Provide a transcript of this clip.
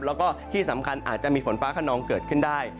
แล้วก็ที่สำคัญอาจจะมีฝนฟ้าขนองเกิดขึ้นได้